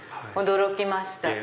驚きました。